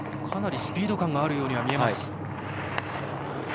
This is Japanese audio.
かなりスピード感があるように見えます。